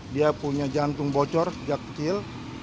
dia punya jantung bocor sejak kecil